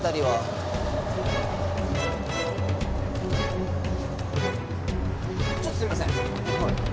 はい。